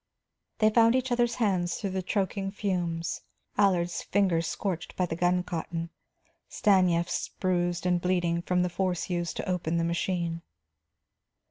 They found each other's hands through the choking fumes; Allard's fingers scorched by the guncotton, Stanief's bruised and bleeding from the force used to open the machine.